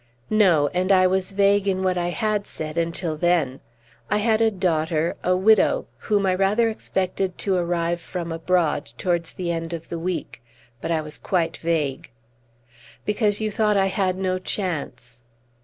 "No; and I was vague in what I had said until then. I had a daughter a widow whom I rather expected to arrive from abroad towards the end of the week. But I was quite vague." "Because you thought I had no chance!"